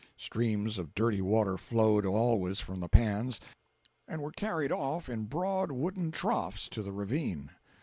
Streams of dirty water flowed always from the pans and were carried off in broad wooden troughs to the ravine.